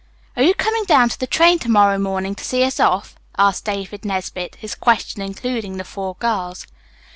"Are you coming down to the train to morrow morning to see us off?" asked David Nesbit, his question including the four girls.